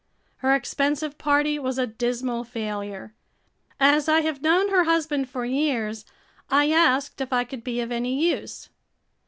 Her expensive party was a dismal failure. As I have known her husband for years, I asked if I could be of any use.